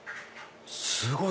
すごい！